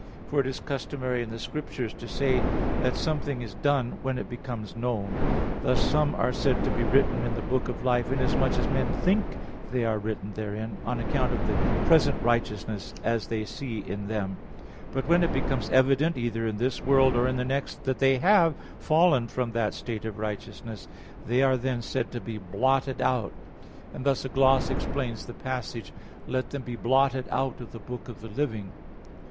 For it is customary in the Scriptures to say that something is done when it becomes known. Thus some are said to be written in the book of life, inasmuch as men think they are written therein, on account of the present righteousness they see in them; but when it becomes evident, either in this world or in the next, that they have fallen from that state of righteousness, they are then said to be blotted out. And thus a gloss explains the passage: "Let them be blotted out of the book of the living."